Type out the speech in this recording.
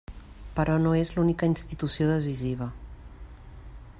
Però no és l'única institució decisiva.